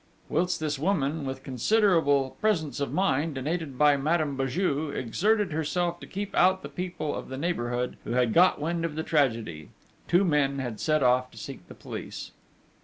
Whilst this woman, with considerable presence of mind, and aided by Madame Béju, exerted herself to keep out the people of the neighbourhood who had got wind of the tragedy, two men had set off to seek the police.